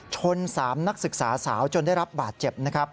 ชน๓นักศึกษาสาวจนได้รับบาดเจ็บนะครับ